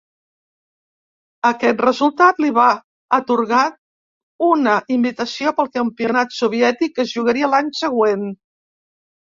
Aquest resultat li va atorgar una invitació pel Campionat soviètic que es jugaria l'any següent.